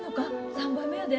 ３杯目やで。